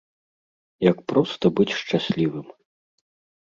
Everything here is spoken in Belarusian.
Як проста быць шчаслівым.